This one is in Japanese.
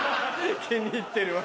気に入ってるわ。